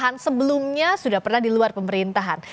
bahkan sebelumnya sudah pernah di luar pemerintahan